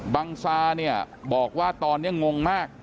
บางซาบอกว่าตอนนี้งงมาก